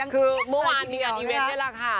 คือเมื่อวานมีอันอีเวนที่แล้วค่ะ